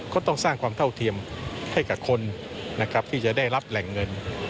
ก็ต้องสร้างความเท่าเทียมให้กับคนนะครับที่จะได้รับแหล่งเงิน